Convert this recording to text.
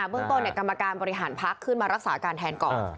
เบื้องต้นเนี่ยกรรมการบริหารภักดิ์ขึ้นมารักษาการแทนก่อน